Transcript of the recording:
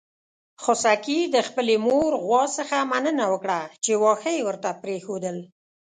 خوسکي د خپلې مور غوا څخه مننه وکړه چې واښه يې ورته پرېښودل.